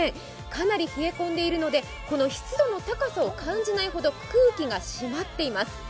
かなり冷え込んでいるので、この湿度の高さを感じないほど空気が締まっています。